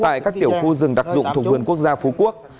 tại các tiểu khu rừng đặc dụng thuộc vườn quốc gia phú quốc